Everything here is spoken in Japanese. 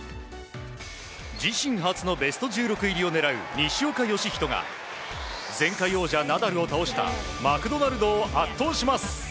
自身初のベスト１６入りを狙う西岡良仁が前回王者ナダルを倒したマクドナルドを圧倒します。